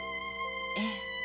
ええ。